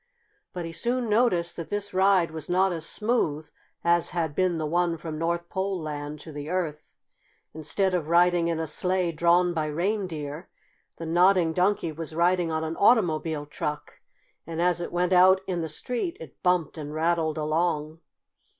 But he soon noticed that this ride was not as smooth as had been the one from North Pole Land to the Earth. Instead of riding in a sleigh drawn by reindeer, the Nodding Donkey was riding on an automobile truck, and as it went out in the street it bumped and rattled along.